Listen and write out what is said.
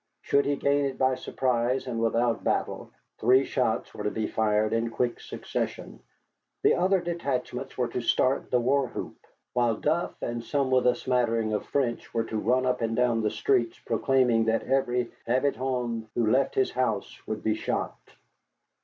Should he gain it by surprise and without battle, three shots were to be fired in quick succession, the other detachments were to start the war whoop, while Duff and some with a smattering of French were to run up and down the streets proclaiming that every habitan who left his house would be shot.